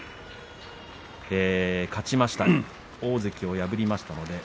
勝ちました、大関を破りました。